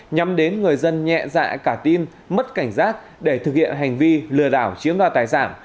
nhằm đến người dân nhẹ dạ cả tin mất cảnh giác để thực hiện hành vi lừa đảo chiếm đoạt tài sản